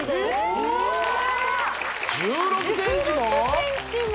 １６ｃｍも？